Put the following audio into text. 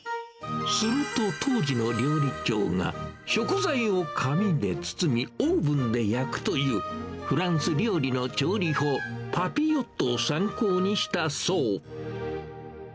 すると、当時の料理長が食材を紙で包み、オーブンで焼くという、フランス料理の調理法、パピヨットを参考にしたそう。